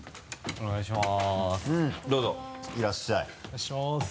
お願いします。